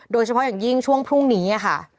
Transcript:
โดยเฉพาะอย่างยิ่งช่วงพรุ่งนี้ค่ะ